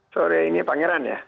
sore ini pangeran ya